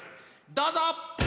どうぞ！